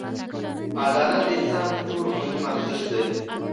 • عدالت د انسان تر ټولو مهم ارزښت دی.